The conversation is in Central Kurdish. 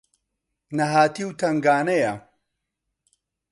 نەهاتی و تەنگانەیە